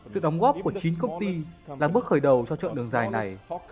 sự đóng góp của chính công ty là bước khởi đầu cho trọng đường dài này